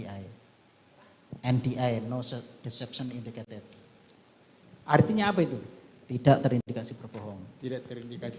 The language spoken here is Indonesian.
hai ndi no deception indicated artinya apa itu tidak terindikasi berbohong tidak terindikasi